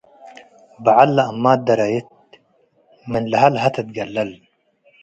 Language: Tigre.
በዐል ለአማት ደራይት ምን ለሀ-ለሀ ትትገለል